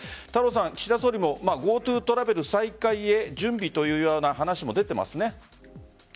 太郎さん、岸田総理もＧｏＴｏトラベル再開へ準備という話も出ていますね。